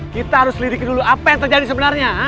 kita harus lidiki dulu apa yang terjadi sebenarnya